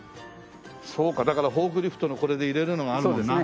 そうかだからフォークリフトのこれで入れるのがあるもんな。